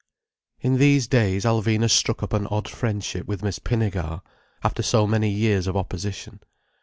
In these days Alvina struck up an odd friendship with Miss Pinnegar, after so many years of opposition.